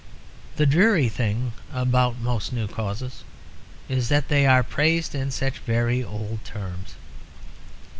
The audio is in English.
The dreary thing about most new causes is that they are praised in such very old terms.